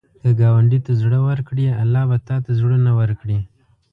که ګاونډي ته زړه ورکړې، الله به تا ته زړونه ورکړي